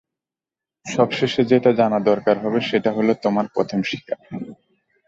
সবশেষে যেটা জানা দরকার হবে, সেটা হল তোমার প্রথম শিকার।